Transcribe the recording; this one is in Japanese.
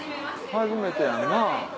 初めてやんな。